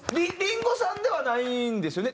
林檎さんではないんですよね？